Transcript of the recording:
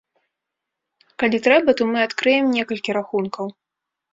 Калі трэба, то мы адкрыем некалькі рахункаў.